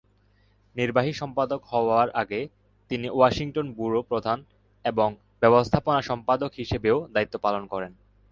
নির্বাহী সম্পাদক হবার আগে তিনি ওয়াশিংটন ব্যুরো প্রধান এবং ব্যবস্থাপনা সম্পাদক হিসেবেও দায়িত্ব পালন করেন।